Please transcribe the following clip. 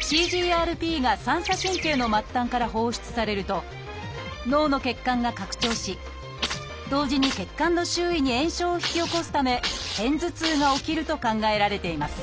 ＣＧＲＰが三叉神経の末端から放出されると脳の血管が拡張し同時に血管の周囲に炎症を引き起こすため片頭痛が起きると考えられています